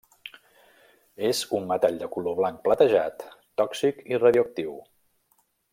És un metall de color blanc platejat, tòxic i radioactiu.